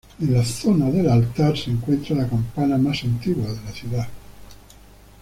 En la zona del altar se encuentra la campana más antigua de la ciudad.